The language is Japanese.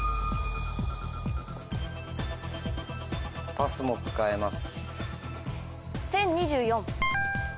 パスも使えます。